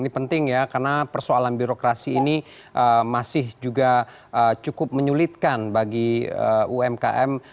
ini penting ya karena persoalan birokrasi ini masih juga cukup menyulitkan bagi umkm